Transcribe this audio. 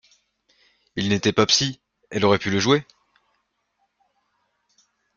Il n’était pas psy, elle aurait pu le jouer?